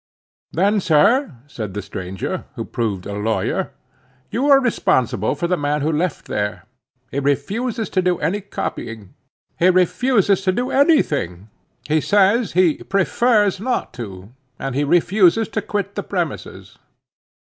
"Then sir," said the stranger, who proved a lawyer, "you are responsible for the man you left there. He refuses to do any copying; he refuses to do any thing; he says he prefers not to; and he refuses to quit the premises."